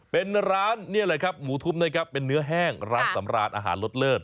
เป็นร้านนี่แหละครับหมูทุบนะครับเป็นเนื้อแห้งร้านสำราญอาหารรสเลิศ